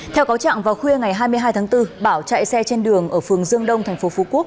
theo cáo trạng vào khuya ngày hai mươi hai tháng bốn bảo chạy xe trên đường ở phường dương đông thành phố phú quốc